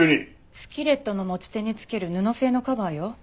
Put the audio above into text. スキレットの持ち手に付ける布製のカバーよ。